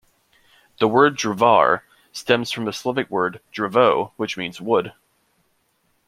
The word Drvar stems from the Slavic word "drvo" which means "wood".